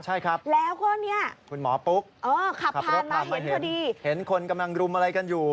ใช่ครับคุณหมอปุ๊กขับรถมาเห็นเห็นคนกำลังรุมอะไรกันอยู่